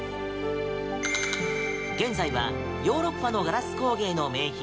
現在はヨーロッパのガラス工芸の名品